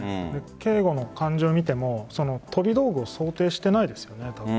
警護の感じを見ても飛び道具を想定してないですよね。